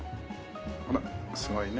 ほらすごいね。